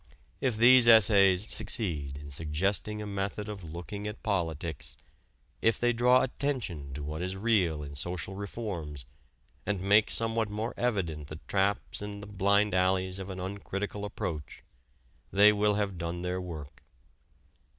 If these essays succeed in suggesting a method of looking at politics, if they draw attention to what is real in social reforms and make somewhat more evident the traps and the blind alleys of an uncritical approach, they will have done their work.